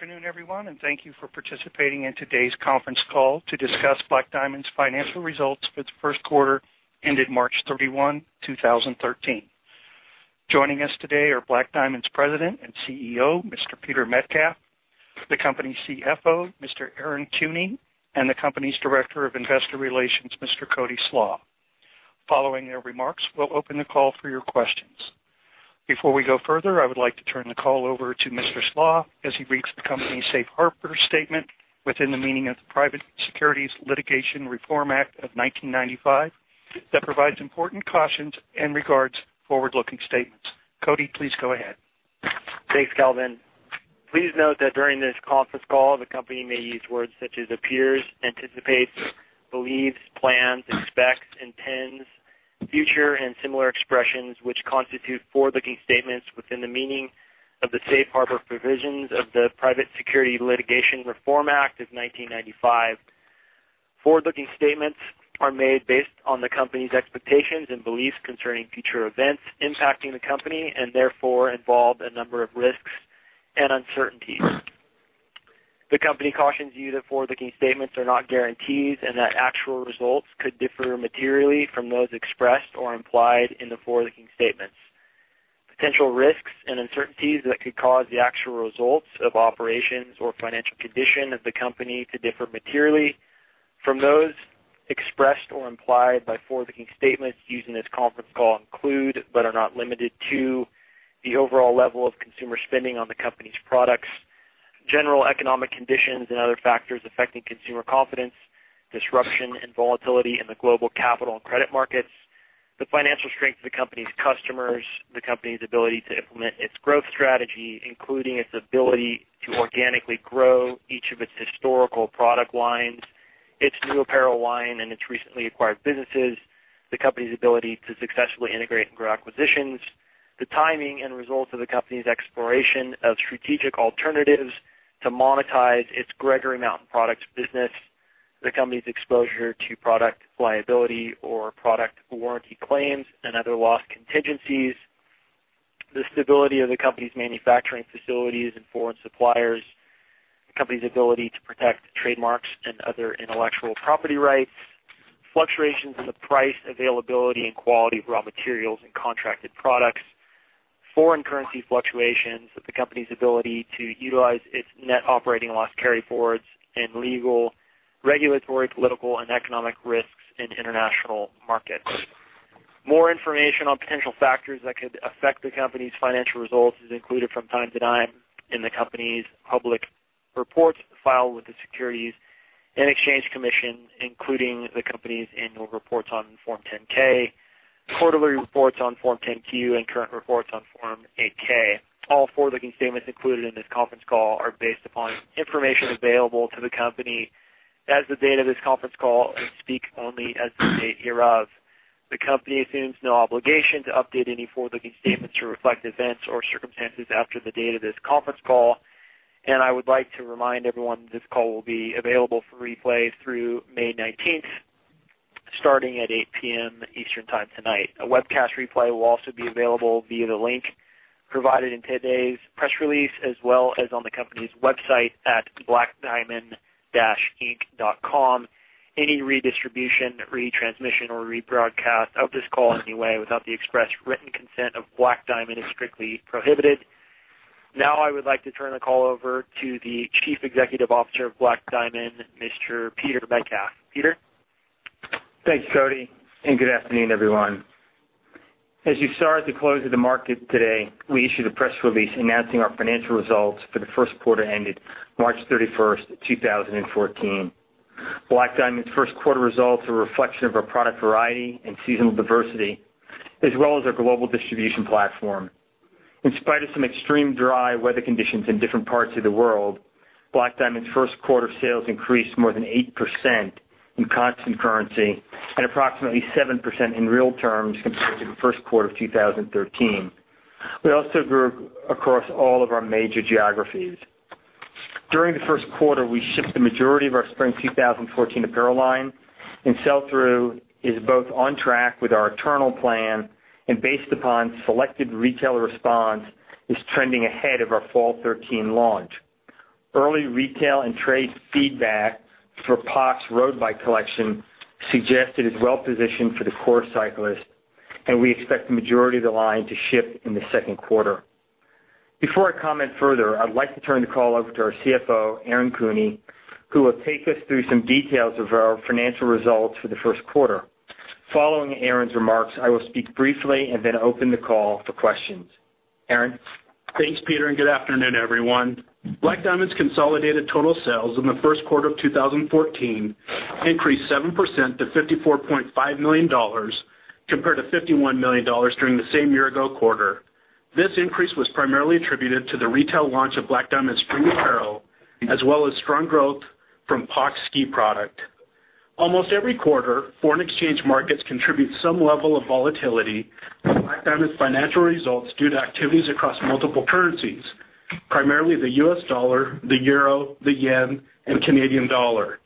Good afternoon, everyone, and thank you for participating in today's conference call to discuss Black Diamond's financial results for the first quarter ended March 31, 2013. Joining us today are Black Diamond's President and CEO, Mr. Peter Metcalf, the company's CFO, Mr. Aaron Kuehne, and the company's Director of Investor Relations, Mr. Cody Slach. Following their remarks, we'll open the call for your questions. Before we go further, I would like to turn the call over to Mr. Slaby as he reads the company's safe harbor statement within the meaning of the Private Securities Litigation Reform Act of 1995 that provides important cautions in regards to forward-looking statements. Cody, please go ahead. Thanks, Calvin. Please note that during this conference call, the company may use words such as appears, anticipates, believes, plans, expects, intends, future, and similar expressions, which constitute forward-looking statements within the meaning of the safe harbor provisions of the Private Securities Litigation Reform Act of 1995. Forward-looking statements are made based on the company's expectations and beliefs concerning future events impacting the company, therefore involve a number of risks and uncertainties. The company cautions you that forward-looking statements are not guarantees and that actual results could differ materially from those expressed or implied in the forward-looking statements. Potential risks and uncertainties that could cause the actual results of operations or financial condition of the company to differ materially from those expressed or implied by forward-looking statements used in this conference call include, but are not limited to, the overall level of consumer spending on the company's products, general economic conditions and other factors affecting consumer confidence, disruption and volatility in the global capital and credit markets, the financial strength of the company's customers, the company's ability to implement its growth strategy, including its ability to organically grow each of its historical product lines, its new apparel line, and its recently acquired businesses, the company's ability to successfully integrate and grow acquisitions, the timing and results of the company's exploration of strategic alternatives to monetize its Gregory Mountain Products business, the company's exposure to product liability or product warranty claims and other loss contingencies, the stability of the company's manufacturing facilities and foreign suppliers, the company's ability to protect trademarks and other intellectual property rights, fluctuations in the price, availability, and quality of raw materials and contracted products, foreign currency fluctuations of the company's ability to utilize its net operating loss carryforwards in legal, regulatory, political, and economic risks in international markets. More information on potential factors that could affect the company's financial results is included from time to time in the company's public reports filed with the Securities and Exchange Commission, including the company's annual reports on Form 10-K, quarterly reports on Form 10-Q, and current reports on Form 8-K. All forward-looking statements included in this conference call are based upon information available to the company as of the date of this conference call and speak only as of the date hereof. The company assumes no obligation to update any forward-looking statements to reflect events or circumstances after the date of this conference call. I would like to remind everyone this call will be available for replay through May 19th, starting at 8:00 P.M. Eastern Time tonight. A webcast replay will also be available via the link provided in today's press release, as well as on the company's website at blackdiamond-inc.com. Any redistribution, retransmission, or rebroadcast of this call in any way without the express written consent of Black Diamond is strictly prohibited. Now I would like to turn the call over to the Chief Executive Officer of Black Diamond, Mr. Peter Metcalf. Peter? Thanks, Cody. Good afternoon, everyone. As you saw at the close of the market today, we issued a press release announcing our financial results for the first quarter ended March 31st, 2014. Black Diamond's first quarter results are a reflection of our product variety and seasonal diversity, as well as our global distribution platform. In spite of some extreme dry weather conditions in different parts of the world, Black Diamond's first quarter sales increased more than 8% in constant currency and approximately 7% in real terms compared to the first quarter of 2013. We also grew across all of our major geographies. During the first quarter, we shipped the majority of our spring 2014 Black Diamond Apparel line, and sell-through is both on track with our internal plan and based upon selected retailer response is trending ahead of our fall 2013 launch. Early retail and trade feedback for POC's road bike collection suggests it is well positioned for the core cyclist, and we expect the majority of the line to ship in the second quarter. Before I comment further, I'd like to turn the call over to our CFO, Aaron Kuehne, who will take us through some details of our financial results for the first quarter. Following Aaron's remarks, I will speak briefly and then open the call for questions. Aaron? Thanks, Peter. Good afternoon, everyone. Black Diamond's consolidated total sales in the first quarter of 2014 increased 7% to $54.5 million, compared to $51 million during the same year-ago quarter. This increase was primarily attributed to the retail launch of Black Diamond spring apparel, as well as strong growth from POC ski product. Almost every quarter, foreign exchange markets contribute some level of volatility Black Diamond's financial results due to activities across multiple currencies, primarily the US dollar, the euro, the yen, and Canadian dollar.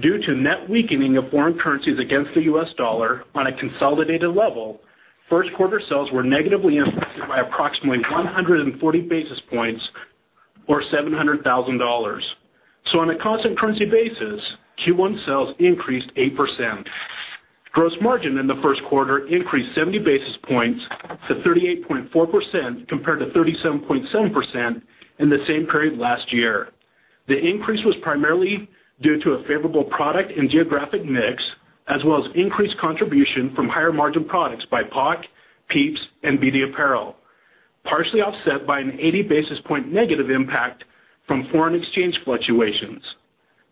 Due to net weakening of foreign currencies against the US dollar on a consolidated level, first quarter sales were negatively impacted by approximately 140 basis points or $700,000. So on a constant currency basis, Q1 sales increased 8%. Gross margin in the first quarter increased 70 basis points to 38.4% compared to 37.7% in the same period last year. The increase was primarily due to a favorable product and geographic mix, as well as increased contribution from higher margin products by POC, PIEPS, and BD Apparel, partially offset by an 80 basis point negative impact from foreign exchange fluctuations.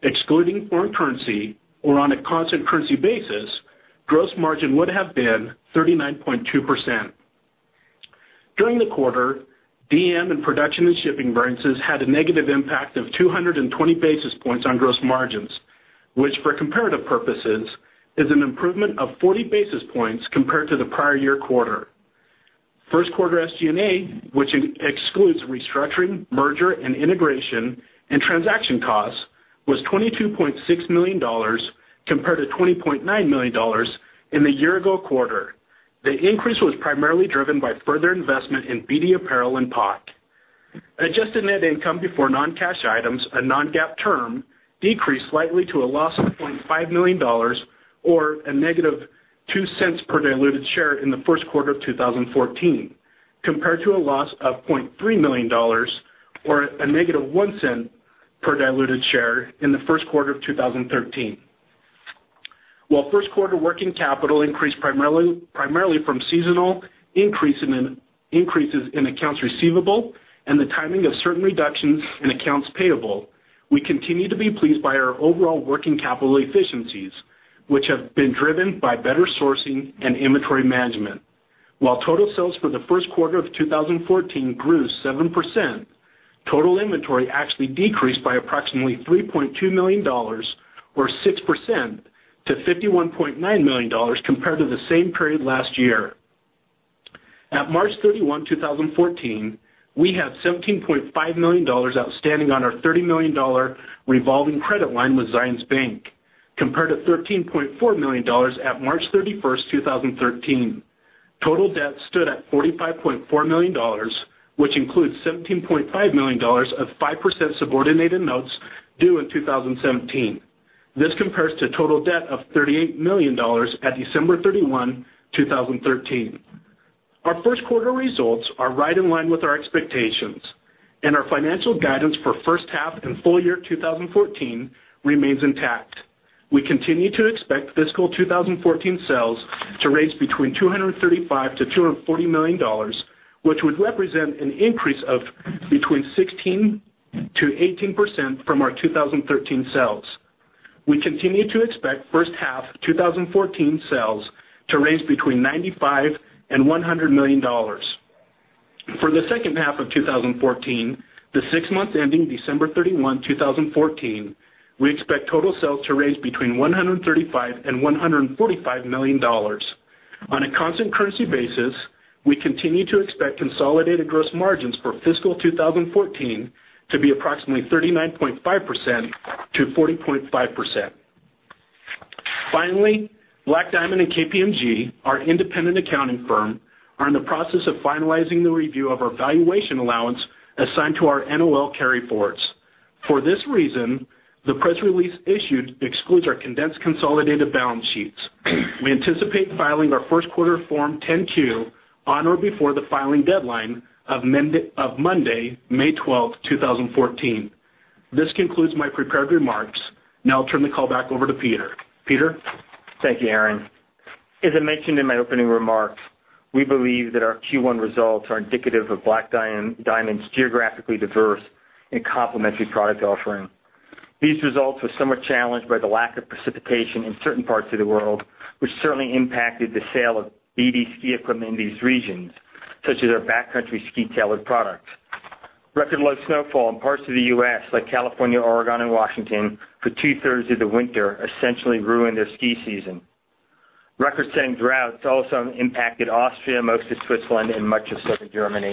Excluding foreign currency, or on a constant currency basis, gross margin would have been 39.2%. During the quarter, DM and production and shipping variances had a negative impact of 220 basis points on gross margins, which for comparative purposes, is an improvement of 40 basis points compared to the prior year quarter. First quarter SG&A, which excludes restructuring, merger and integration, and transaction costs, was $22.6 million compared to $20.9 million in the year ago quarter. The increase was primarily driven by further investment in BD Apparel and POC. Adjusted net income before non-cash items, a non-GAAP term, decreased slightly to a loss of $0.5 million or a negative $0.02 per diluted share in the first quarter of 2014, compared to a loss of $0.3 million or a negative $0.01 per diluted share in the first quarter of 2013. While first quarter working capital increased primarily from seasonal increases in accounts receivable and the timing of certain reductions in accounts payable, we continue to be pleased by our overall working capital efficiencies, which have been driven by better sourcing and inventory management. While total sales for the first quarter of 2014 grew 7%, total inventory actually decreased by approximately $3.2 million or 6% to $51.9 million compared to the same period last year. At March 31, 2014, we had $17.5 million outstanding on our $30 million revolving credit line with Zions Bank, compared to $13.4 million at March 31, 2013. Total debt stood at $45.4 million, which includes $17.5 million of 5% subordinated notes due in 2017. This compares to total debt of $38 million at December 31, 2013. Our first quarter results are right in line with our expectations, and our financial guidance for first half and full year 2014 remains intact. We continue to expect fiscal 2014 sales to range between $235 million-$240 million, which would represent an increase of between 16%-18% from our 2013 sales. We continue to expect first half 2014 sales to range between $95 million and $100 million. For the second half of 2014, the six months ending December 31, 2014, we expect total sales to range between $135 million and $145 million. On a constant currency basis, we continue to expect consolidated gross margins for fiscal 2014 to be approximately 39.5%-40.5%. Finally, Black Diamond and KPMG, our independent accounting firm, are in the process of finalizing the review of our valuation allowance assigned to our NOL carryforwards. For this reason, the press release issued excludes our condensed consolidated balance sheets. We anticipate filing our first quarter Form 10-Q on or before the filing deadline of Monday, May 12, 2014. This concludes my prepared remarks. Now I'll turn the call back over to Peter. Peter? Thank you, Aaron. As I mentioned in my opening remarks, we believe that our Q1 results are indicative of Black Diamond's geographically diverse and complementary product offering. These results were somewhat challenged by the lack of precipitation in certain parts of the world, which certainly impacted the sale of BD ski equipment in these regions, such as our backcountry ski tailored products. Record low snowfall in parts of the U.S., like California, Oregon, and Washington for two-thirds of the winter essentially ruined their ski season. Record-setting droughts also impacted Austria, most of Switzerland, and much of Southern Germany.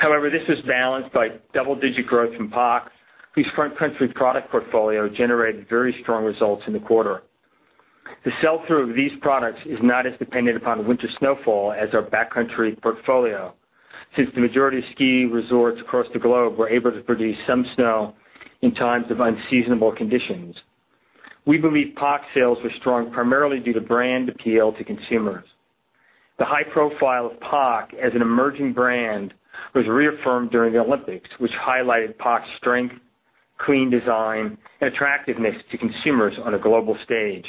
This was balanced by double-digit growth in POC, whose front country product portfolio generated very strong results in the quarter. The sell-through of these products is not as dependent upon winter snowfall as our backcountry portfolio, since the majority of ski resorts across the globe were able to produce some snow in times of unseasonable conditions. We believe POC sales were strong primarily due to brand appeal to consumers. The high profile of POC as an emerging brand was reaffirmed during the Olympics, which highlighted POC's strength, clean design, and attractiveness to consumers on a global stage.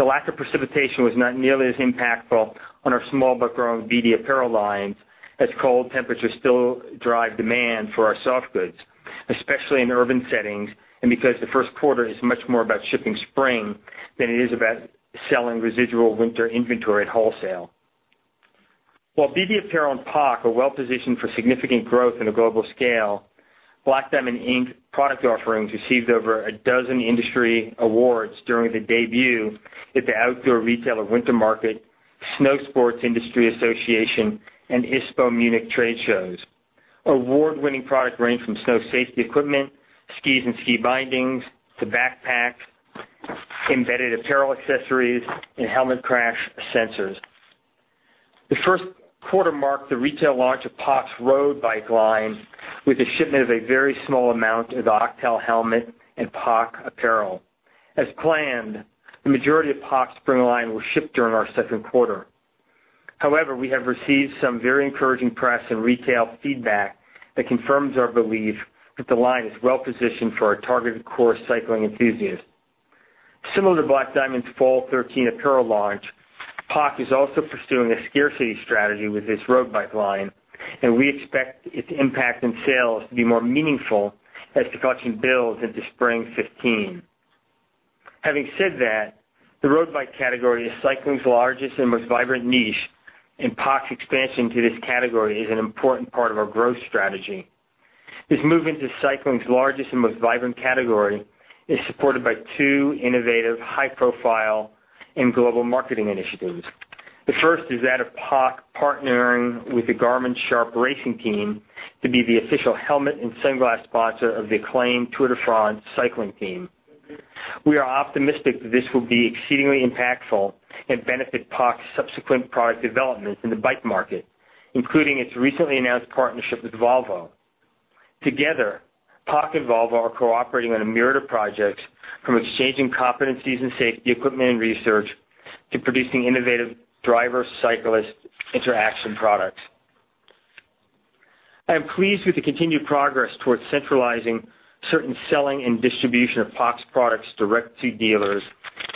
The lack of precipitation was not nearly as impactful on our small but growing BD apparel lines, as cold temperatures still drive demand for our soft goods, especially in urban settings, and because the first quarter is much more about shipping spring than it is about selling residual winter inventory at wholesale. While BD apparel and POC are well-positioned for significant growth in a global scale, Black Diamond, Inc. product offerings received over a dozen industry awards during the debut at the Outdoor Retailer Winter Market, Snowsports Industries America, and ISPO Munich trade shows. Award-winning product range from snow safety equipment, skis and ski bindings, to backpacks, embedded apparel accessories, and helmet crash sensors. The first quarter marked the retail launch of POC's road bike line with the shipment of a very small amount of the Octal helmet and POC apparel. As planned, the majority of POC's spring line will ship during our second quarter. We have received some very encouraging press and retail feedback that confirms our belief that the line is well-positioned for our targeted core cycling enthusiast. Similar to Black Diamond's fall 2013 apparel launch, POC is also pursuing a scarcity strategy with its road bike line, we expect its impact in sales to be more meaningful as the collection builds into spring 2015. Having said that, the road bike category is cycling's largest and most vibrant niche, and POC's expansion to this category is an important part of our growth strategy. This move into cycling's largest and most vibrant category is supported by two innovative, high profile, and global marketing initiatives. The first is that of POC partnering with the Garmin-Sharp racing team to be the official helmet and sunglass sponsor of the acclaimed Tour de France cycling team. We are optimistic that this will be exceedingly impactful and benefit POC's subsequent product development in the bike market, including its recently announced partnership with Volvo. Together, POC and Volvo are cooperating on a myriad of projects, from exchanging competencies in safety equipment and research to producing innovative driver-cyclist interaction products. I am pleased with the continued progress towards centralizing certain selling and distribution of POC's products direct to dealers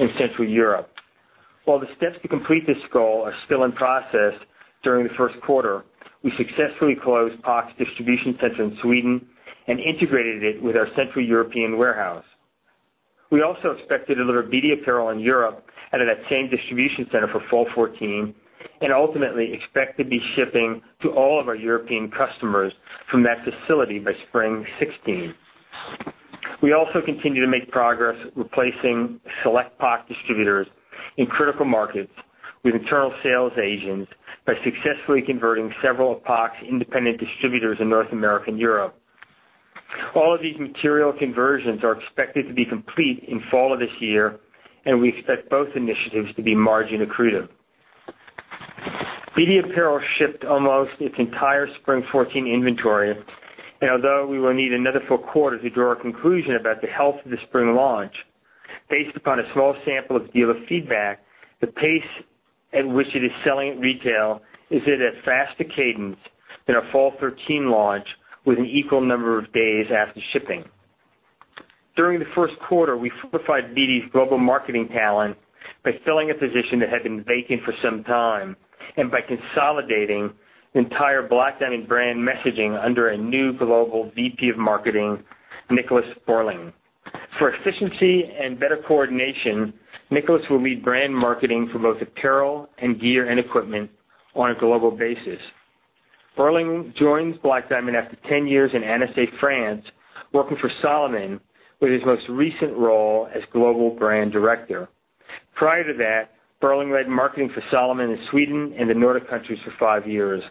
in Central Europe. While the steps to complete this goal are still in process, during the first quarter, we successfully closed POC's distribution center in Sweden and integrated it with our Central European warehouse. We also expect to deliver BD apparel in Europe out of that same distribution center for fall 2014, and ultimately expect to be shipping to all of our European customers from that facility by spring 2016. We also continue to make progress replacing select POC distributors in critical markets with internal sales agents by successfully converting several of POC's independent distributors in North America and Europe. All of these material conversions are expected to be complete in fall of this year, and we expect both initiatives to be margin accretive. BD apparel shipped almost its entire spring 2014 inventory, and although we will need another full quarter to draw a conclusion about the health of the spring launch, based upon a small sample of dealer feedback, the pace at which it is selling at retail is at a faster cadence than our fall 2013 launch with an equal number of days after shipping. During the first quarter, we fortified BD's global marketing talent by filling a position that had been vacant for some time and by consolidating the entire Black Diamond brand messaging under a new Global VP of Marketing, Niclas Bornling. For efficiency and better coordination, Niclas will lead brand marketing for both apparel and gear and equipment on a global basis. Bornling joins Black Diamond after 10 years in Annecy, France, working for Salomon, with his most recent role as Global Brand Director. Prior to that, Bornling led marketing for Salomon in Sweden and the Nordic countries for five years.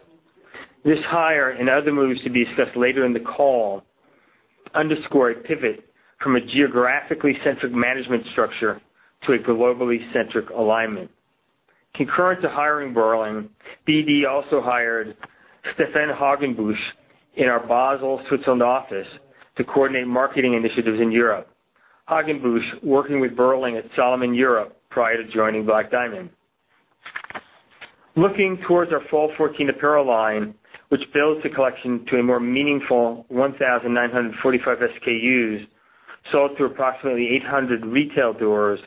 This hire and other moves to be discussed later in the call underscore a pivot from a geographically centric management structure to a globally centric alignment. Concurrent to hiring Bornling, BD also hired Stephan Hagenbusch in our Basel, Switzerland office to coordinate marketing initiatives in Europe. Hagenbusch working with Bornling at Salomon Europe prior to joining Black Diamond. Looking towards our fall 2014 apparel line, which builds the collection to a more meaningful 1,945 SKUs sold through approximately 800 retail doors,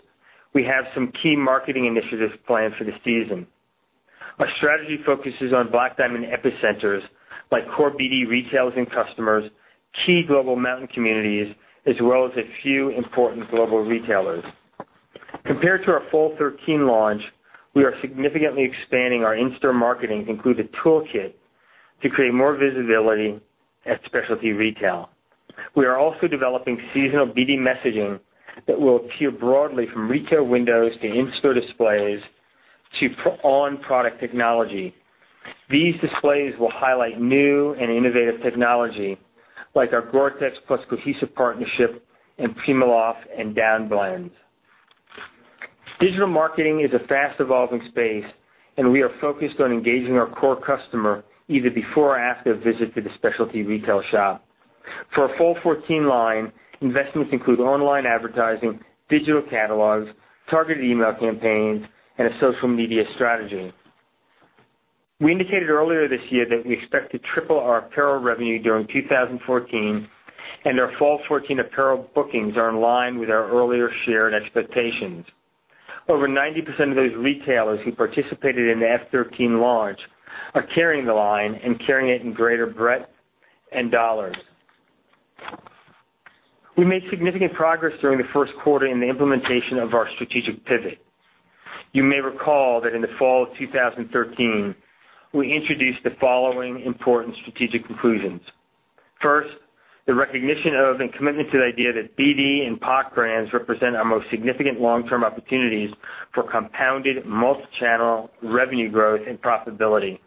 we have some key marketing initiatives planned for the season. Our strategy focuses on Black Diamond epicenters like core BD retailers and customers, key global mountain communities, as well as a few important global retailers. Compared to our fall 2013 launch, we are significantly expanding our in-store marketing included toolkit to create more visibility at specialty retail. We are also developing seasonal BD messaging that will appear broadly from retail windows to in-store displays, to on-product technology. These displays will highlight new and innovative technology like our GORE-TEX plus Cohaesive partnership in PrimaLoft and down blends. Digital marketing is a fast-evolving space, we are focused on engaging our core customer either before or after a visit to the specialty retail shop. For our fall 2014 line, investments include online advertising, digital catalogs, targeted email campaigns, and a social media strategy. We indicated earlier this year that we expect to triple our apparel revenue during 2014, and our fall 2014 apparel bookings are in line with our earlier shared expectations. Over 90% of those retailers who participated in the fall 2013 launch are carrying the line and carrying it in greater breadth and dollars. We made significant progress during the first quarter in the implementation of our strategic pivot. You may recall that in the fall of 2013, we introduced the following important strategic conclusions. First, the recognition of and commitment to the idea that BD and POC brands represent our most significant long-term opportunities for compounded multi-channel revenue growth and profitability.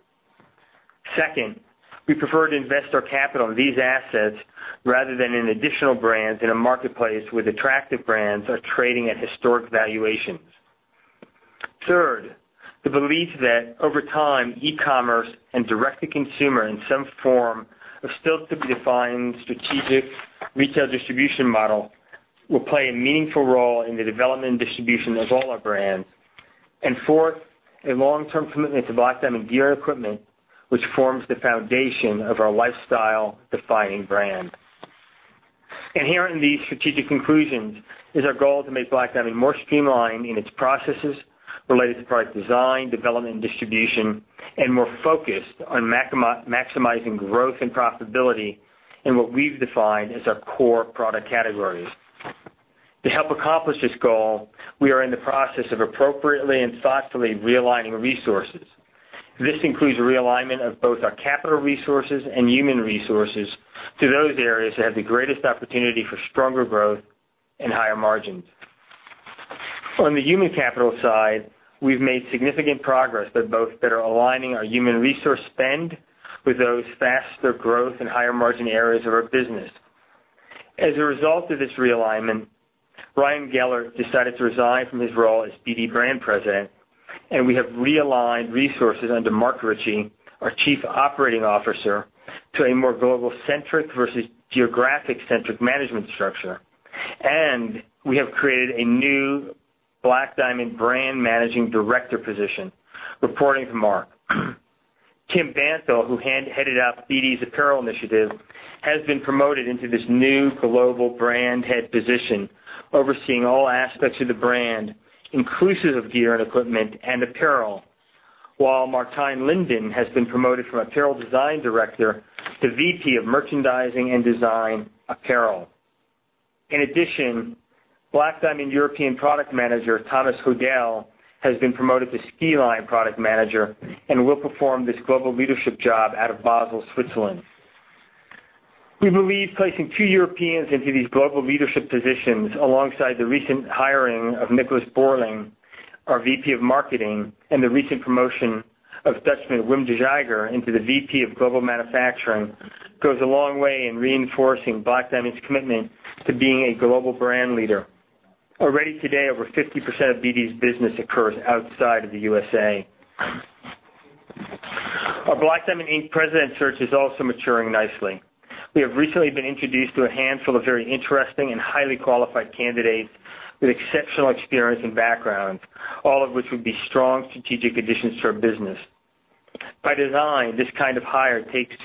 Second, we prefer to invest our capital in these assets rather than in additional brands in a marketplace where the attractive brands are trading at historic valuations. Third, the belief that over time, e-commerce and direct-to-consumer in some form of still-to-be-defined strategic retail distribution model will play a meaningful role in the development and distribution of all our brands. Fourth, a long-term commitment to Black Diamond gear and equipment, which forms the foundation of our lifestyle-defining brand. Inherent in these strategic conclusions is our goal to make Black Diamond more streamlined in its processes related to product design, development, and distribution, and more focused on maximizing growth and profitability in what we've defined as our core product categories. To help accomplish this goal, we are in the process of appropriately and thoughtfully realigning resources. This includes realignment of both our capital resources and human resources to those areas that have the greatest opportunity for stronger growth and higher margins. On the human capital side, we've made significant progress that are both better aligning our human resource spend with those faster growth and higher margin areas of our business. As a result of this realignment, Ryan Gellert decided to resign from his role as BD brand President, and we have realigned resources under Mark Ritchie, our Chief Operating Officer, to a more global-centric versus geographic-centric management structure. We have created a new Black Diamond brand Managing Director position reporting to Mark. Tim Bantle, who headed up BD's apparel initiative, has been promoted into this new global brand head position, overseeing all aspects of the brand, inclusive of gear and equipment and apparel. While Martijn Linden has been promoted from Apparel Design Director to VP of Merchandising and Design Apparel. In addition, Black Diamond European Product Manager, Thomas Hodel, has been promoted to Ski Line Product Manager and will perform this global leadership job out of Basel, Switzerland. We believe placing two Europeans into these global leadership positions alongside the recent hiring of Niclas Bornling, our VP of Marketing, and the recent promotion of Dutchman Wim de Jager into the VP of Global Manufacturing goes a long way in reinforcing Black Diamond's commitment to being a global brand leader. Already today, over 50% of BD's business occurs outside of the USA. Our Black Diamond, Inc. President search is also maturing nicely. We have recently been introduced to a handful of very interesting and highly qualified candidates with exceptional experience and backgrounds, all of which would be strong strategic additions to our business. By design, this kind of hire takes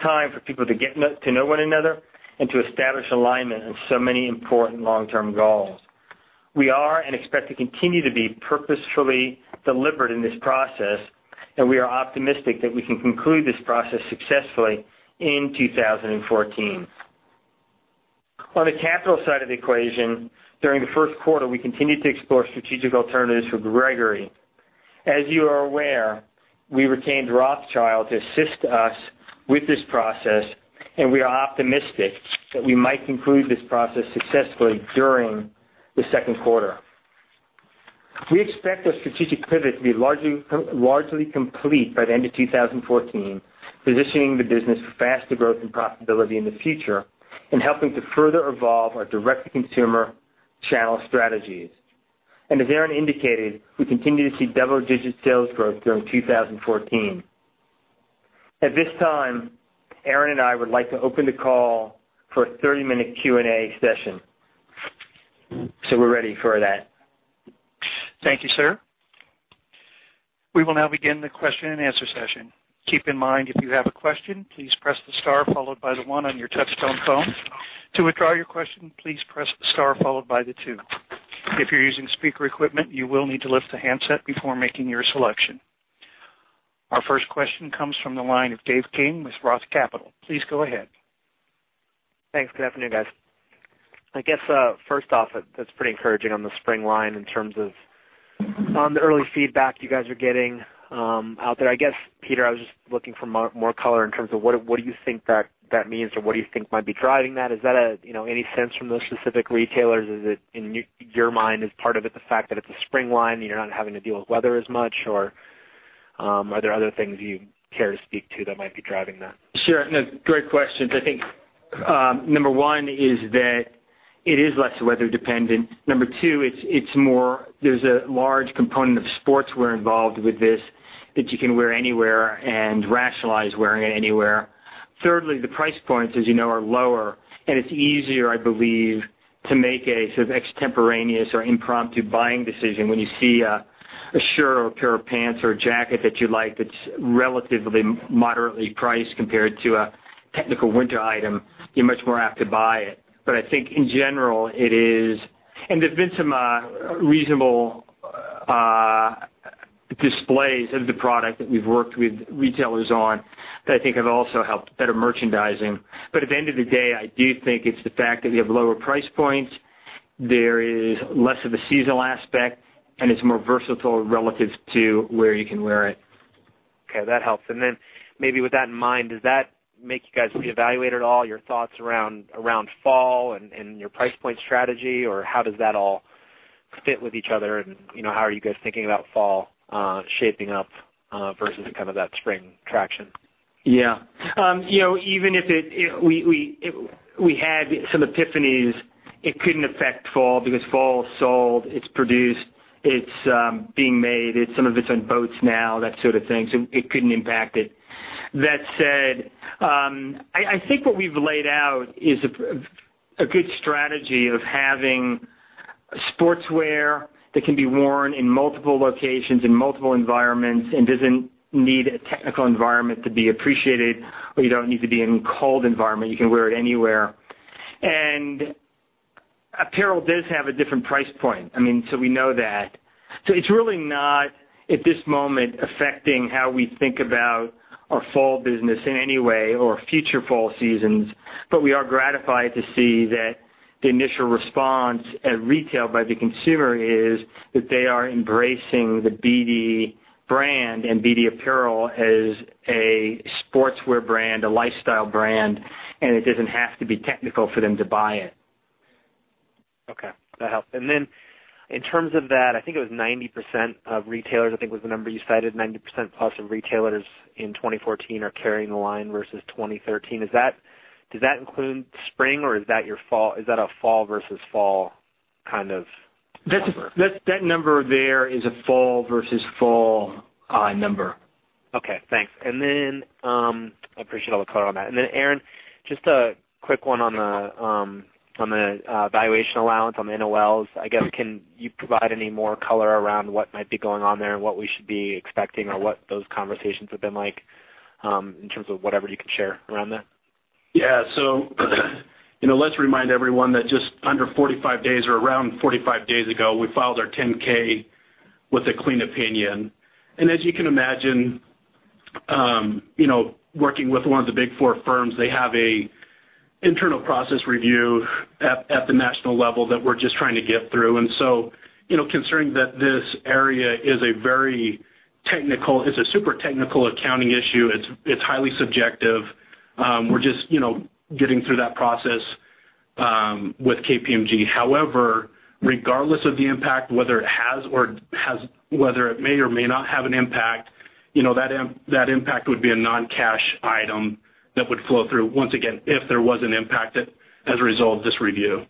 time for people to get to know one another and to establish alignment on so many important long-term goals. We are and expect to continue to be purposefully deliberate in this process. We are optimistic that we can conclude this process successfully in 2014. On the capital side of the equation, during the first quarter, we continued to explore strategic alternatives for Gregory. As you are aware, we retained Rothschild & Co to assist us with this process. We are optimistic that we might conclude this process successfully during the second quarter. We expect our strategic pivot to be largely complete by the end of 2014, positioning the business for faster growth and profitability in the future and helping to further evolve our direct-to-consumer channel strategies. As Aaron indicated, we continue to see double-digit sales growth during 2014. At this time, Aaron and I would like to open the call for a 30-minute Q&A session. We're ready for that. Thank you, sir. We will now begin the question and answer session. Keep in mind, if you have a question, please press the star followed by the one on your touch-tone phone. To withdraw your question, please press the star followed by the two. If you're using speaker equipment, you will need to lift the handset before making your selection. Our first question comes from the line of Dave King with Roth Capital Partners. Please go ahead. Thanks. Good afternoon, guys. I guess, first off, that's pretty encouraging on the spring line in terms of on the early feedback you guys are getting out there. I guess, Peter, I was just looking for more color in terms of what do you think that means or what do you think might be driving that? Is that any sense from those specific retailers? Is it in your mind part of it the fact that it's a spring line and you're not having to deal with weather as much? Are there other things you care to speak to that might be driving that? Sure. No, great questions. I think, number one is that it is less weather dependent. Number two, there's a large component of sportswear involved with this that you can wear anywhere and rationalize wearing it anywhere. Thirdly, the price points, as you know, are lower, and it's easier, I believe, to make a sort of extemporaneous or impromptu buying decision when you see a shirt or a pair of pants or a jacket that you like that's relatively moderately priced compared to a technical winter item. You're much more apt to buy it. I think in general, and there's been some reasonable of the product that we've worked with retailers on that I think have also helped better merchandising. At the end of the day, I do think it's the fact that we have lower price points. There is less of a seasonal aspect, it's more versatile relative to where you can wear it. Okay, that helps. Then maybe with that in mind, does that make you guys reevaluate at all your thoughts around fall and your price point strategy? How does that all fit with each other? How are you guys thinking about fall shaping up versus that spring traction? Yeah. Even if we had some epiphanies, it couldn't affect fall because fall is sold, it's produced, it's being made, some of it's on boats now, that sort of thing. It couldn't impact it. That said, I think what we've laid out is a good strategy of having sportswear that can be worn in multiple locations, in multiple environments, and doesn't need a technical environment to be appreciated, or you don't need to be in a cold environment. You can wear it anywhere. Apparel does have a different price point. We know that. It's really not, at this moment, affecting how we think about our fall business in any way or future fall seasons. We are gratified to see that the initial response at retail by the consumer is that they are embracing the BD brand and BD apparel as a sportswear brand, a lifestyle brand, and it doesn't have to be technical for them to buy it. Okay, that helps. In terms of that, I think it was 90% of retailers, I think was the number you cited, 90% plus of retailers in 2014 are carrying the line versus 2013. Does that include spring or is that a fall versus fall kind of number? That number there is a fall versus fall number. Okay, thanks. I appreciate all the color on that. Aaron, just a quick one on the valuation allowance on the NOLs. I guess, can you provide any more color around what might be going on there and what we should be expecting or what those conversations have been like, in terms of whatever you can share around that? Yeah. Let's remind everyone that just under 45 days or around 45 days ago, we filed our Form 10-K with a clean opinion. As you can imagine, working with one of the Big Four firms, they have an internal process review at the national level that we're just trying to get through. Concerning that this area is a super technical accounting issue, it's highly subjective. We're just getting through that process with KPMG. However, regardless of the impact, whether it may or may not have an impact, that impact would be a non-cash item that would flow through, once again, if there was an impact as a result of this review.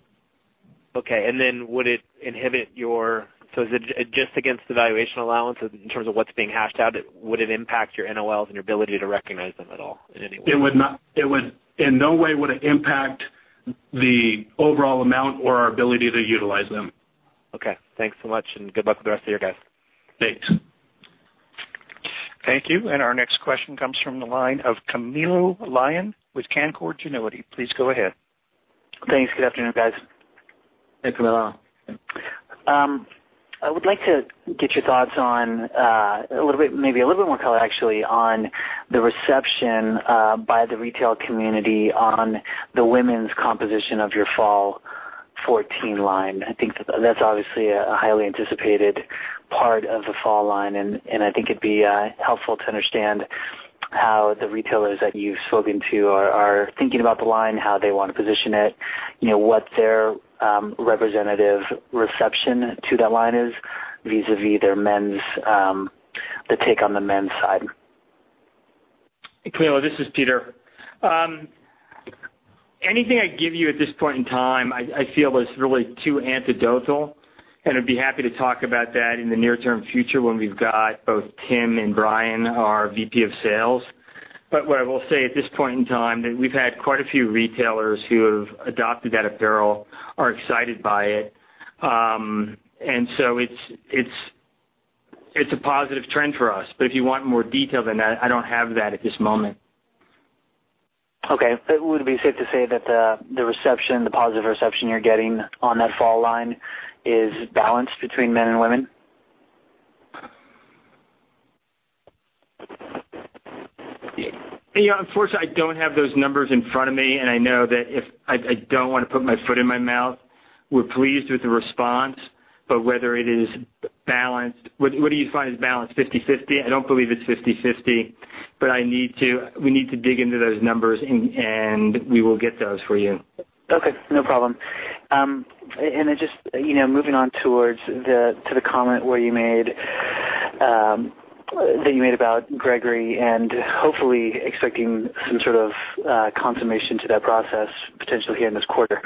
Okay, is it just against the valuation allowance in terms of what's being hashed out? Would it impact your NOLs and your ability to recognize them at all in any way? In no way would it impact the overall amount or our ability to utilize them. Okay. Thanks so much, good luck with the rest of your day. Thanks. Thank you. Our next question comes from the line of Camilo Lyon with Canaccord Genuity. Please go ahead. Thanks. Good afternoon, guys. Hey, Camilo. I would like to get your thoughts on, maybe a little bit more color, actually, on the reception by the retail community on the women's composition of your fall 2014 line. I think that's obviously a highly anticipated part of the fall line, and I think it'd be helpful to understand how the retailers that you've spoken to are thinking about the line, how they want to position it. What their representative reception to that line is vis-a-vis the take on the men's side. Camilo, this is Peter. Anything I give you at this point in time, I feel is really too anecdotal. I'd be happy to talk about that in the near term future when we've got both Tim and Ryan, our VP of Sales. What I will say at this point in time, that we've had quite a few retailers who have adopted that apparel, are excited by it. It's a positive trend for us. If you want more detail than that, I don't have that at this moment. Okay. Would it be safe to say that the positive reception you're getting on that fall line is balanced between men and women? Unfortunately, I don't have those numbers in front of me. I don't want to put my foot in my mouth. We're pleased with the response, but whether it is balanced? What do you define as balanced? 50/50? I don't believe it's 50/50. We need to dig into those numbers, and we will get those for you. Okay, no problem. Just moving on towards to the comment that you made about Gregory and hopefully expecting some sort of consummation to that process potentially here in this quarter,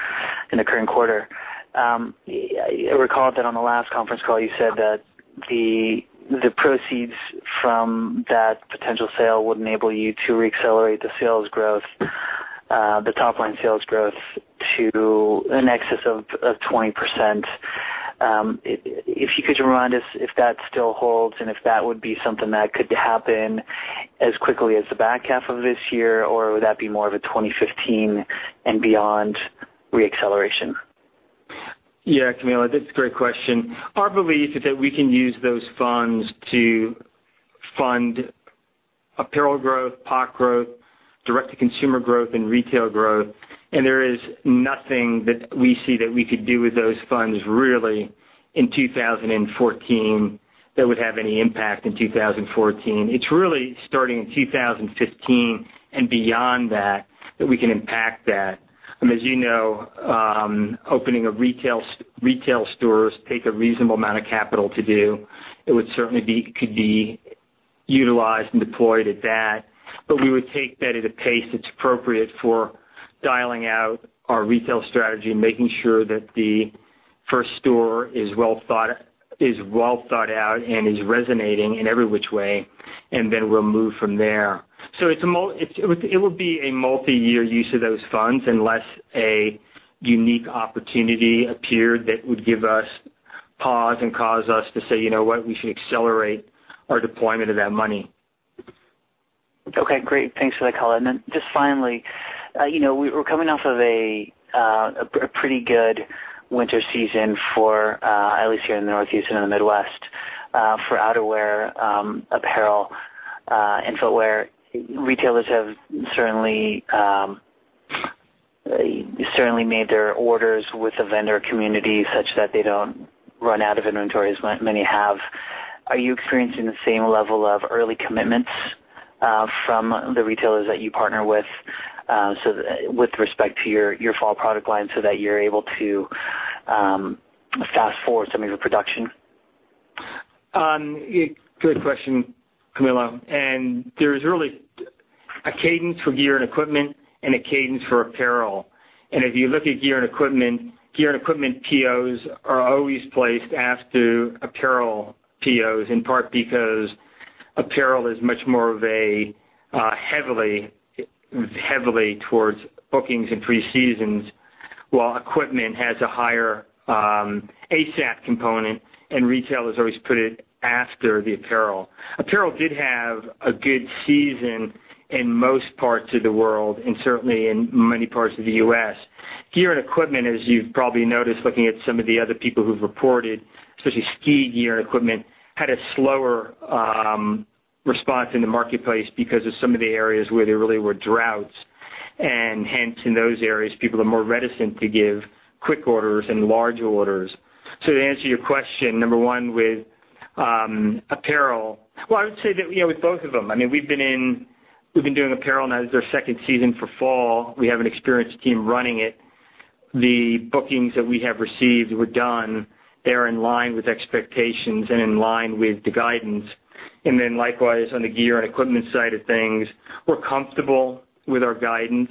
in the current quarter. I recall that on the last conference call, you said that the proceeds from that potential sale would enable you to reaccelerate the top-line sales growth to in excess of 20%. If you could remind us if that still holds, if that would be something that could happen as quickly as the back half of this year, would that be more of a 2015 and beyond reacceleration? Yeah, Camilo, that's a great question. Our belief is that we can use those funds to fund apparel growth, POC growth, direct-to-consumer growth, and retail growth. There is nothing that we see that we could do with those funds, really, in 2014 that would have any impact in 2014. It's really starting in 2015 and beyond that we can impact that. As you know, opening of retail stores take a reasonable amount of capital to do. It would certainly could be utilized and deployed at that, but we would take that at a pace that's appropriate for dialing out our retail strategy and making sure that the first store is well thought out and is resonating in every which way, then we'll move from there. It would be a multi-year use of those funds unless a unique opportunity appeared that would give us pause and cause us to say, "You know what? We should accelerate our deployment of that money. Okay, great. Thanks for that color. Then just finally, we're coming off of a pretty good winter season for, at least here in the Northeast and in the Midwest, for outerwear apparel and footwear. Retailers have certainly made their orders with the vendor community such that they don't run out of inventories, like many have. Are you experiencing the same level of early commitments from the retailers that you partner with respect to your fall product line so that you're able to fast-forward some of your production? Good question, Camilo. There's really a cadence for gear and equipment and a cadence for apparel. If you look at gear and equipment, gear and equipment POs are always placed after apparel POs, in part because apparel is much more of a heavily towards bookings and pre-seasons, while equipment has a higher ASAP component, retailers always put it after the apparel. Apparel did have a good season in most parts of the world and certainly in many parts of the U.S. Gear and equipment, as you've probably noticed, looking at some of the other people who've reported, especially ski gear and equipment, had a slower response in the marketplace because of some of the areas where there really were droughts. Hence, in those areas, people are more reticent to give quick orders and large orders. To answer your question, number 1, with apparel. Well, I would say that, with both of them. We've been doing apparel, now this is our second season for fall. We have an experienced team running it. The bookings that we have received were done. They're in line with expectations and in line with the guidance. Likewise, on the gear and equipment side of things, we're comfortable with our guidance.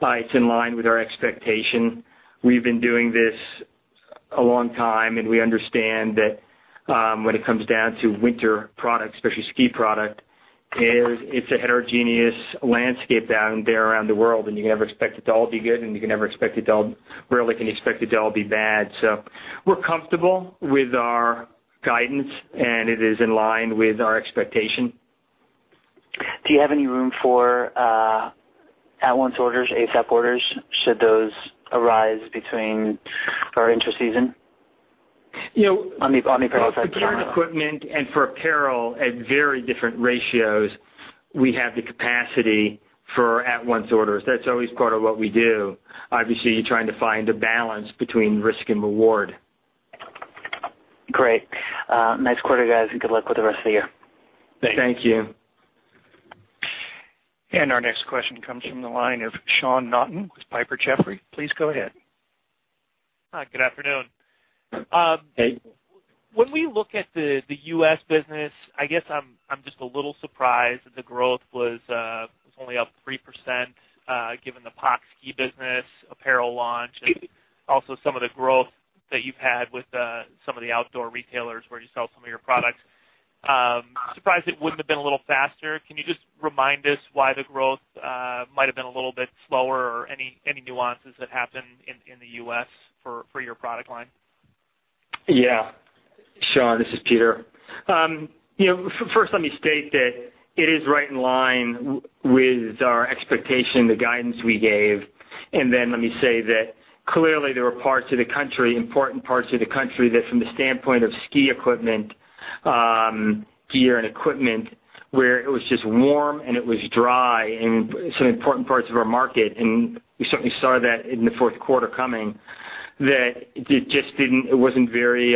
It's in line with our expectation. We've been doing this a long time, and we understand that when it comes down to winter products, especially ski product, it's a heterogeneous landscape out there around the world, and you can never expect it to all be good, and you rarely can expect it to all be bad. We're comfortable with our guidance, and it is in line with our expectation. Do you have any room for at-once orders, ASAP orders, should those arise between or inter-season? For gear and equipment and for apparel, at very different ratios, we have the capacity for at-once orders. That's always part of what we do. Obviously, you're trying to find a balance between risk and reward. Great. Nice quarter, guys, and good luck with the rest of the year. Thank you. Our next question comes from the line of Sean Naughton with Piper Jaffray. Please go ahead. Hi, good afternoon. Hey. When we look at the U.S. business, I guess I'm just a little surprised that the growth was only up 3% given the POC ski business apparel launch, and also some of the growth that you've had with some of the outdoor retailers where you sell some of your products. Surprised it wouldn't have been a little faster. Can you just remind us why the growth might've been a little bit slower or any nuances that happened in the U.S. for your product line? Sean, this is Peter. First let me state that it is right in line with our expectation, the guidance we gave. Let me say that clearly there were parts of the country, important parts of the country, that from the standpoint of ski equipment, gear, and equipment, where it was just warm, and it was dry in some important parts of our market. We certainly saw that in the fourth quarter coming, that it wasn't very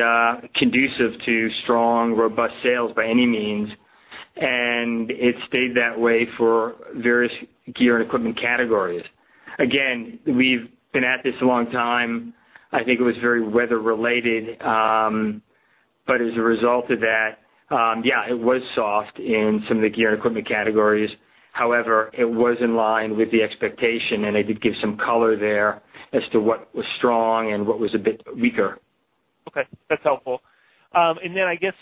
conducive to strong, robust sales by any means. It stayed that way for various gear and equipment categories. Again, we've been at this a long time. I think it was very weather related. As a result of that, yeah, it was soft in some of the gear and equipment categories. However, it was in line with the expectation. I did give some color there as to what was strong and what was a bit weaker. Okay, that's helpful. I guess,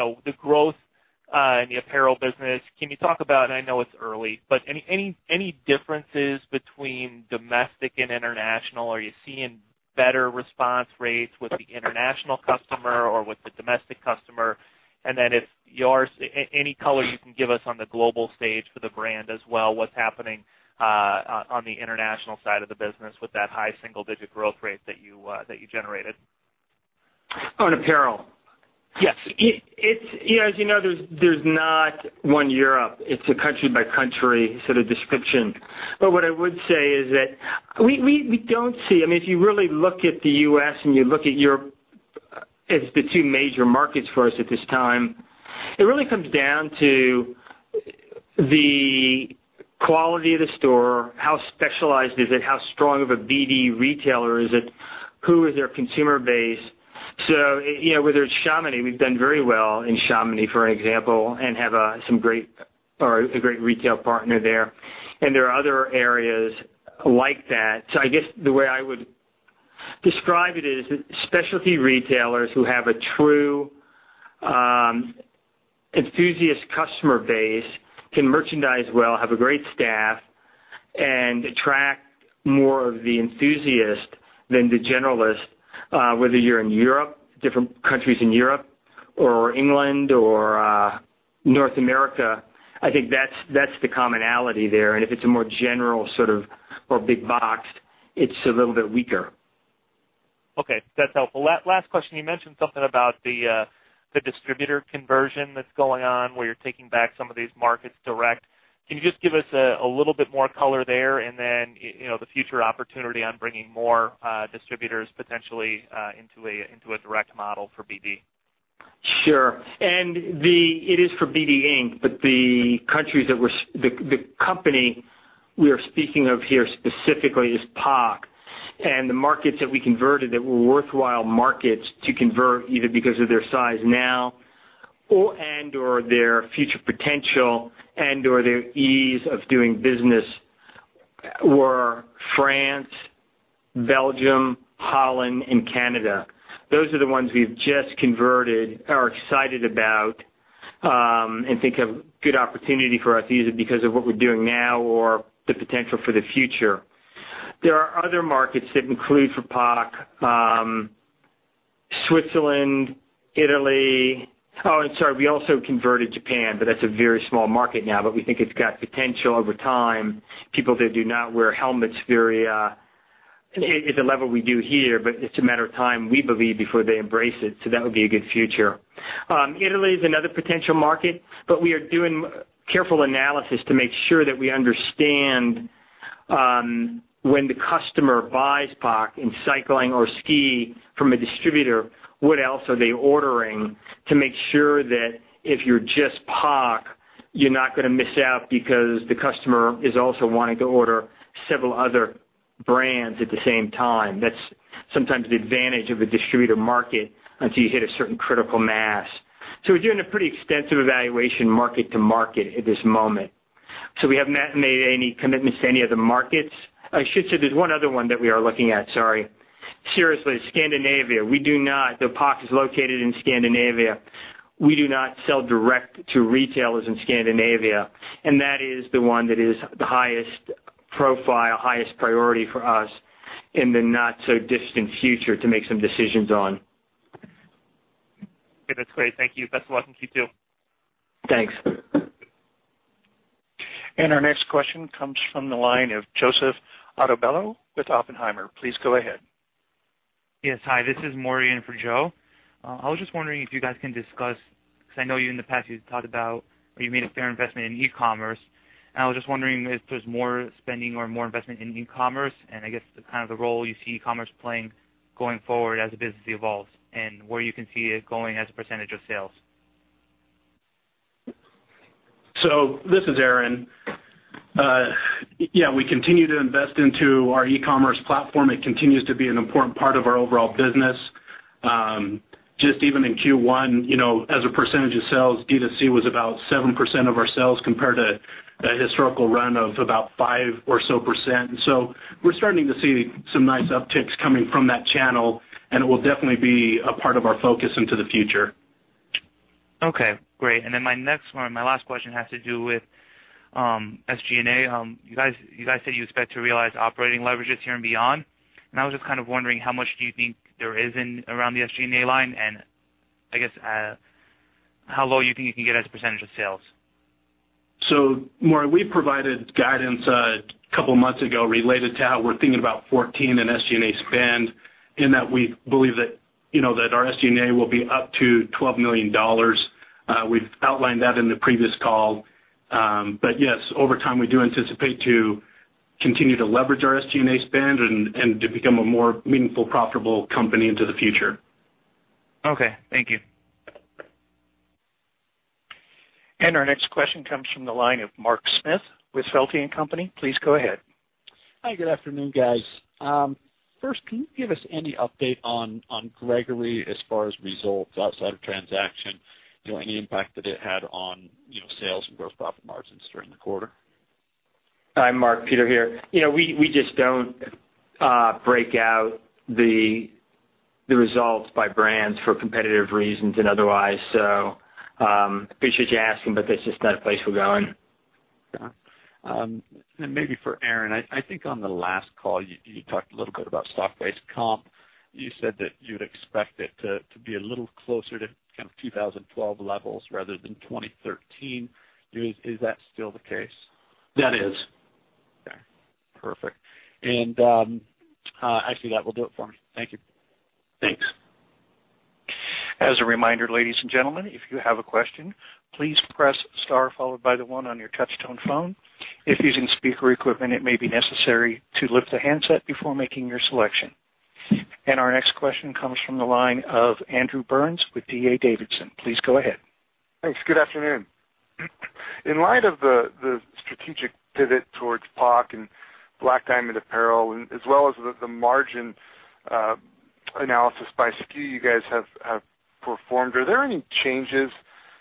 the growth in the apparel business, can you talk about, I know it's early, any differences between domestic and international? Are you seeing better response rates with the international customer or with the domestic customer? If any color you can give us on the global stage for the brand as well, what's happening on the international side of the business with that high single-digit growth rate that you generated. On apparel? Yes. What I would say is that we don't see If you really look at the U.S. and you look at Europe as the two major markets for us at this time, it really comes down to the quality of the store, how specialized is it, how strong of a BD retailer is it, who is their consumer base. Whether it's Chamonix, we've done very well in Chamonix, for example, and have a great retail partner there. There are other areas like that. I guess the way I would describe it is, specialty retailers who have a true enthusiast customer base can merchandise well, have a great staff, and attract more of the enthusiast than the generalist, whether you're in Europe, different countries in Europe, or England, or North America. I think that's the commonality there. If it's a more general sort of, or big box, it's a little bit weaker. Okay. That's helpful. Last question. You mentioned something about the distributor conversion that's going on, where you're taking back some of these markets direct. Can you just give us a little bit more color there and then, the future opportunity on bringing more distributors potentially into a direct model for BD? Sure. It is for BD Inc., but the company we are speaking of here specifically is POC. The markets that we converted that were worthwhile markets to convert, either because of their size now and/or their future potential and/or their ease of doing business, were France, Belgium, Holland, and Canada. Those are the ones we've just converted, are excited about, and think have good opportunity for us, either because of what we're doing now or the potential for the future. There are other markets that include, for POC, Switzerland, Italy and sorry, we also converted Japan, but that's a very small market now, but we think it's got potential over time. People there do not wear helmets at the level we do here, but it's a matter of time, we believe, before they embrace it, so that would be a good future. Italy is another potential market. We are doing careful analysis to make sure that we understand when the customer buys POC in cycling or ski from a distributor, what else are they ordering to make sure that if you're just POC, you're not going to miss out because the customer is also wanting to order several other brands at the same time. That's sometimes the advantage of a distributor market until you hit a certain critical mass. We are doing a pretty extensive evaluation market to market at this moment. We have not made any commitments to any other markets. I should say there's one other one that we are looking at, sorry. Seriously, Scandinavia. Though POC is located in Scandinavia, we do not sell direct to retailers in Scandinavia. That is the one that is the highest profile, highest priority for us in the not-so-distant future to make some decisions on. Okay. That's great. Thank you. Best of luck in Q2. Thanks. Our next question comes from the line of Joseph Ottobello with Oppenheimer. Please go ahead. Yes. Hi, this is Maury in for Joe. I was just wondering if you guys can discuss, because I know you in the past, you've talked about, or you made a fair investment in e-commerce. I was just wondering if there's more spending or more investment in e-commerce. I guess the role you see e-commerce playing going forward as the business evolves, and where you can see it going as a percentage of sales. This is Aaron. Yeah, we continue to invest into our e-commerce platform. It continues to be an important part of our overall business. Just even in Q1, as a percentage of sales, D2C was about 7% of our sales compared to a historical run of about 5 or so %. We're starting to see some nice upticks coming from that channel. It will definitely be a part of our focus into the future. Okay. Great. My next one, my last question has to do with SG&A. You guys say you expect to realize operating leverages here and beyond. I was just kind of wondering how much do you think there is around the SG&A line. I guess how low you think you can get as a percentage of sales? Maury, we provided guidance a couple of months ago related to how we're thinking about 2014 and SG&A spend, in that we believe that our SG&A will be up to $12 million. We've outlined that in the previous call. Yes, over time, we do anticipate to continue to leverage our SG&A spend and to become a more meaningful, profitable company into the future. Okay. Thank you. Our next question comes from the line of Mark Smith with Feltl & Company. Please go ahead. Hi, good afternoon, guys. First, can you give us any update on Gregory as far as results outside of transaction? Any impact that it had on sales and gross profit margins during the quarter? Hi, Mark. Peter here. We just don't break out the results by brands for competitive reasons and otherwise. Appreciate you asking, but that's just not a place we're going. Got it. Maybe for Aaron, I think on the last call, you talked a little bit about stock price comp. You said that you'd expect it to be a little closer to 2012 levels rather than 2013. Is that still the case? That is. Okay, perfect. Actually, that will do it for me. Thank you. Thanks. As a reminder, ladies and gentlemen, if you have a question, please press star followed by the one on your touch-tone phone. If using speaker equipment, it may be necessary to lift the handset before making your selection. Our next question comes from the line of Andrew Burns with D.A. Davidson. Please go ahead. Thanks. Good afternoon. In light of the strategic pivot towards POC and Black Diamond Apparel, as well as the margin analysis by SKU you guys have performed, are there any changes,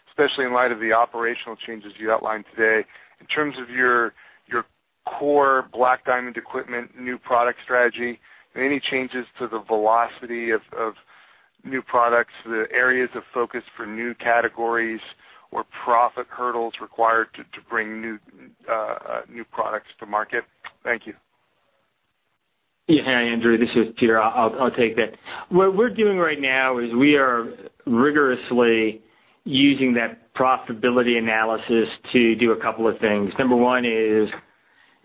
especially in light of the operational changes you outlined today, in terms of your core Black Diamond Equipment, new product strategy? Any changes to the velocity of new products, the areas of focus for new categories or profit hurdles required to bring new products to market? Thank you. Yeah. Hi, Andrew. This is Peter. I'll take that. We are rigorously using that profitability analysis to do a couple of things. Number one is,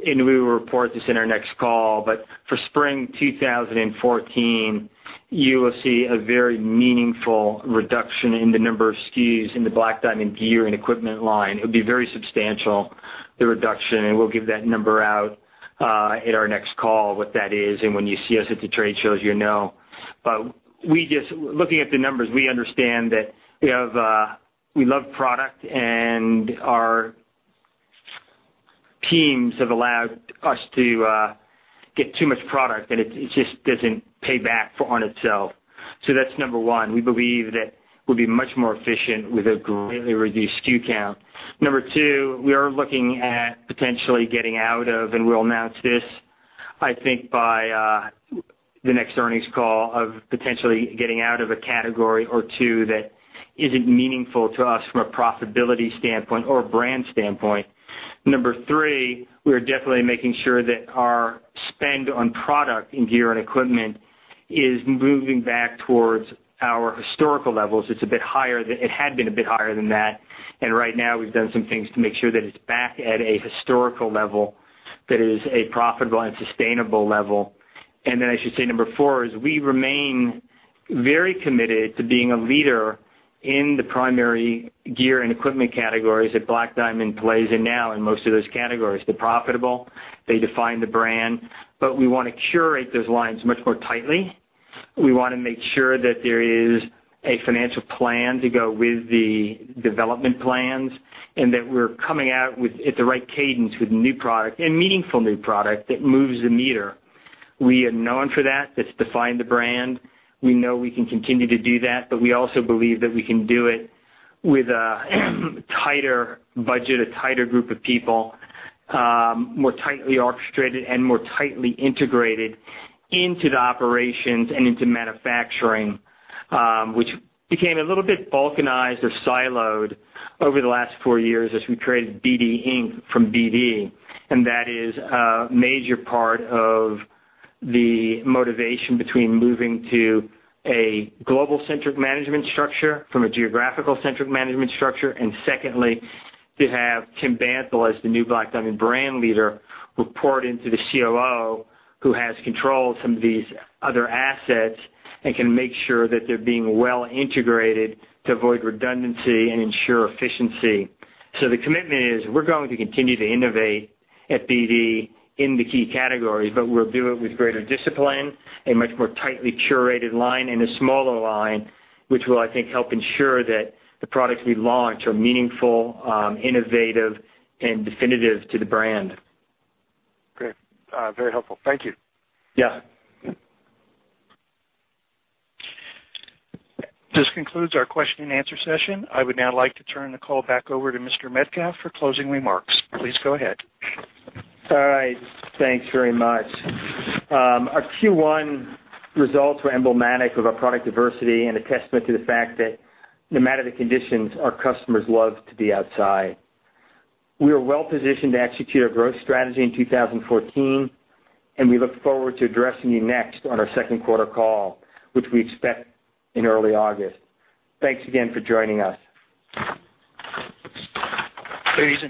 we will report this in our next call, but for spring 2014, you will see a very meaningful reduction in the number of SKUs in the Black Diamond gear and equipment line. It'll be very substantial, the reduction, and we'll give that number out in our next call, what that is. When you see us at the trade shows, you'll know. Looking at the numbers, we understand that we love product and our teams have allowed us to get too much product, and it just doesn't pay back on itself. That's number one. We believe that we'll be much more efficient with a greatly reduced SKU count. Number two, we are looking at potentially getting out of, and we'll announce this, I think, by the next earnings call, of potentially getting out of a category or two that isn't meaningful to us from a profitability standpoint or a brand standpoint. Number three, we're definitely making sure that our spend on product in gear and equipment is moving back towards our historical levels. It had been a bit higher than that. Right now we've done some things to make sure that it's back at a historical level that is a profitable and sustainable level. I should say number four is we remain very committed to being a leader in the primary gear and equipment categories that Black Diamond plays in now in most of those categories. They're profitable, they define the brand, we want to curate those lines much more tightly. We want to make sure that there is a financial plan to go with the development plans and that we're coming out at the right cadence with new product and meaningful new product that moves the meter. We are known for that. That's defined the brand. We know we can continue to do that, we also believe that we can do it with a tighter budget, a tighter group of people, more tightly orchestrated and more tightly integrated into the operations and into manufacturing, which became a little bit balkanized or siloed over the last four years as we created BD Inc from BD. That is a major part of the motivation between moving to a global-centric management structure from a geographical-centric management structure, to have Tim Bantle as the new Black Diamond brand leader report into the COO who has control of some of these other assets and can make sure that they're being well integrated to avoid redundancy and ensure efficiency. The commitment is we're going to continue to innovate at BD in the key categories, we'll do it with greater discipline, a much more tightly curated line, and a smaller line, which will, I think, help ensure that the products we launch are meaningful, innovative, and definitive to the brand. Great. Very helpful. Thank you. Yeah. This concludes our question and answer session. I would now like to turn the call back over to Mr. Metcalf for closing remarks. Please go ahead. All right. Thanks very much. Our Q1 results were emblematic of our product diversity and a testament to the fact that no matter the conditions, our customers love to be outside. We are well positioned to execute our growth strategy in 2014, and we look forward to addressing you next on our second quarter call, which we expect in early August. Thanks again for joining us. Ladies and gentlemen